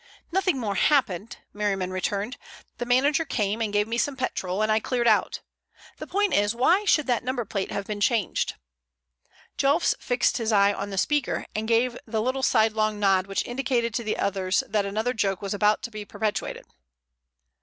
"Nothing more happened," Merriman returned. "The manager came and gave me some petrol, and I cleared out. The point is, why should that number plate have been changed?" Jelfs fixed his eyes on the speaker, and gave the little sidelong nod which indicated to the others that another joke was about to be perpetrated.